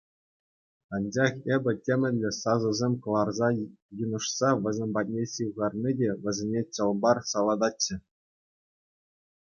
Анчах эпӗ темӗнле сасӑсем кӑларса йынӑшса вӗсем патне ҫывхарни те вӗсене чӑл-пар салататчӗ.